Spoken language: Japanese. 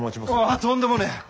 ああとんでもねえ。